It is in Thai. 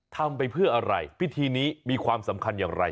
ทำไปเพื่ออะไรพิธีนี้มีความสำคัญอย่างไร